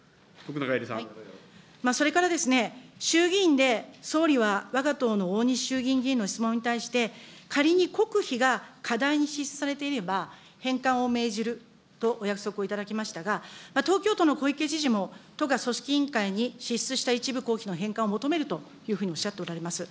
それからですね、衆議院で総理はわが党のおおにし衆議院議員の質問に対して、仮に国費が過大に支出されていれば、返還を命じるとお約束をいただきましたが、東京都の小池知事も、都が組織委員会に支出した一部公費の返還を求めるというふうにおっしゃっておられます。